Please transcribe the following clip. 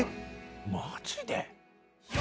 マジで。